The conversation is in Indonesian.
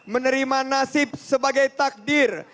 menerima nasib sebagai takdir